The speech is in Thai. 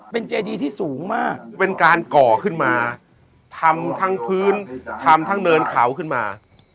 เป็นเจดีที่สูงมากเป็นการก่อขึ้นมาทำทั้งพื้นทำทั้งเนินเขาขึ้นมา